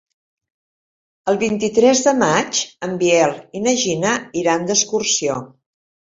El vint-i-tres de maig en Biel i na Gina iran d'excursió.